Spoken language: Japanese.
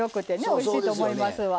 おいしいと思いますわ。